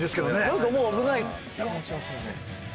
なんかもう危ない感じしますよね。